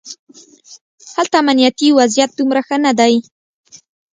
هلته امنیتي وضعیت دومره ښه نه دی.